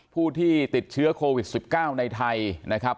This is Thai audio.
ผู้ที่ติดเชื้อโควิด๑๙ในไทยนะครับ